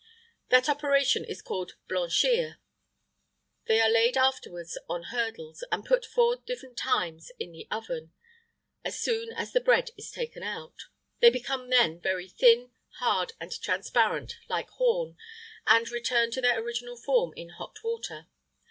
That operation is called blanchir. They are laid afterwards on hurdles, and put four different times in the oven, as soon as the bread is taken out. They become then very thin, hard, and transparent, like horn, and return to their original form in hot water.